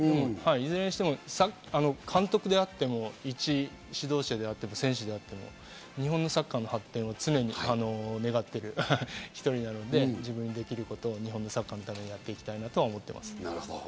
いずれにしても、監督であっても、いち指導者であっても選手であっても、日本のサッカーの発展は常に願っている一人なので、自分にできることを日本のサッカーのためにやっていきたいと思います。